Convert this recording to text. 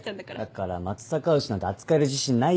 だから松阪牛なんて扱える自信ないって。